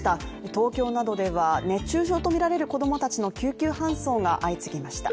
東京などでは熱中症とみられる子供たちの救急搬送が相次ぎました。